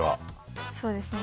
そうですね。